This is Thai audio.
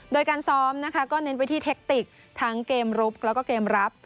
โดยการซ้อมนะคะก็เน้นไปที่เทคติกทั้งเกมรุกแล้วก็เกมรับ